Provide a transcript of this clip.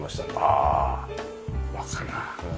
ああわかるな。